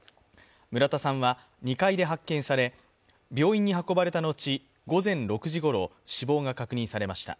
村田さんは２階で発見され病院に運ばれた後、午前６時ごろ死亡が確認されました。